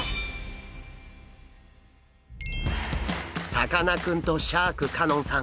さかなクンとシャーク香音さん